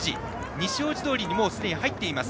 西大路通にすでに入っています。